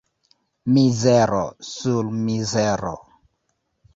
Mizero sur mizero.